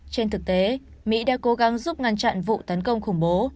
trên thực tế mỹ đã cố gắng giúp ngăn chặn vụ tấn công khủng bố